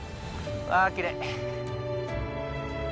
わあきれい。